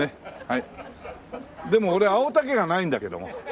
でも俺青竹がないんだけども。